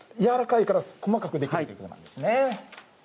やわらかいから細かくできるってことなんですね。